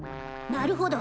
なるほど。